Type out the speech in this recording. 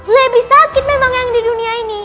lebih sakit memang yang di dunia ini